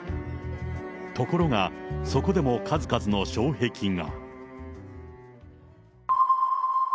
ところが、そこでも数々の障壁が。